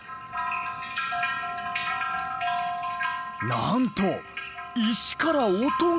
なんと石から音が！